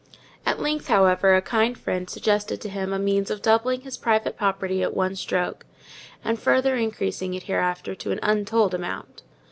At length, however, a kind friend suggested to him a means of doubling his private property at one stroke; and further increasing it, hereafter, to an untold amount.